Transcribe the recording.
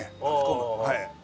はい。